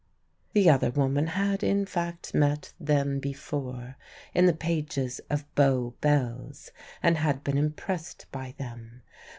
The other woman had in fact met them before, in the pages of Bow Bells, and been impressed by them.